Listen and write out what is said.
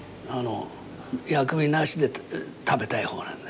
薬味なしで食べたいほうなんでね。